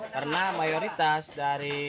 karena mayoritas dari